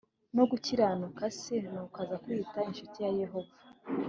no gukiranuka c nuko aza kwitwa incuti ya Yehova